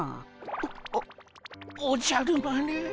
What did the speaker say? おおじゃる丸。